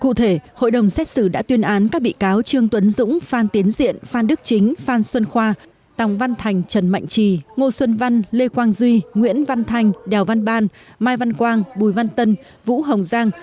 cụ thể hội đồng xét xử đã tuyên án các bị cáo trương tuấn dũng phan tiến diện phan đức chính phan xuân khoa tòng văn thành trần mạnh trì ngô xuân văn lê quang duy nguyễn văn thành đèo văn ban mai văn quang bùi văn tân vũ hồng giang